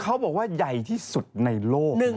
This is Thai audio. เขาบอกว่าใหญ่ที่สุดในโลก